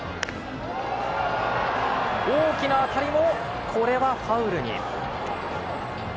大きな当たりも、これはファウルに。